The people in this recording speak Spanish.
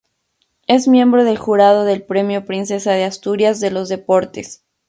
Es miembro del jurado del premio Princesa de Asturias de los Deportes.